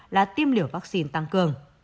là tiêm liều vaccine tăng cường